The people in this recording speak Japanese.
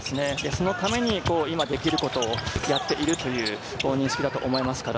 そのために今できることをやっているという認識だと思います。